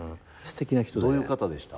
どういう方でした？